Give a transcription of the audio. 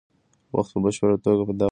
وخت په بشپړه توګه په دغه ځای کې ودرېد.